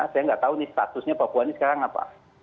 saya nggak tahu nih statusnya papua ini sekarang apa